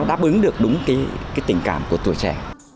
mà nó đáp ứng được đúng cái tình cảm của tuổi trẻ